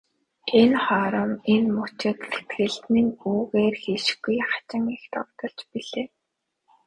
Энэ хором, энэ мөчид сэтгэл минь үгээр хэлшгүй хачин их догдолж билээ.